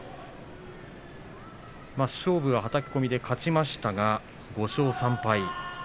勝負は、はたき込みで勝ちましたが５勝３敗。